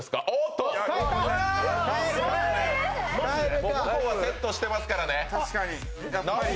向こうはセットしてますからね。